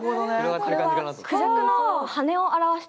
これはクジャクの羽を表しています。